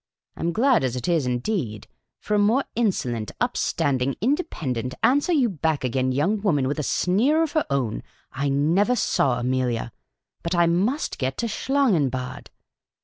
I 'm glad as it is, indeed ; for a more insolent, up standing, independent, answer you back again j oung wo man, with a sneer of her own, /never saw, Amelia — but I must get to Schlangenbad.